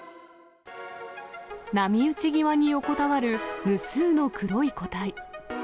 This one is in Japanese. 波打ち際に横たわる無数の黒い個体。